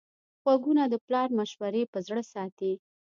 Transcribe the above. غوږونه د پلار مشورې په زړه ساتي